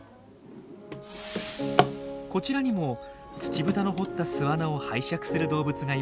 こちらにもツチブタの掘った巣穴を拝借する動物がいます。